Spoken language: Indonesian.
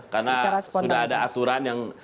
karena sudah ada aturan yang